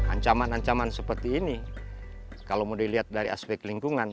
ancaman ancaman seperti ini kalau mau dilihat dari aspek lingkungan